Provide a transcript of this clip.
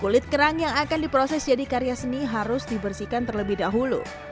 kulit kerang yang akan diproses jadi karya seni harus dibersihkan terlebih dahulu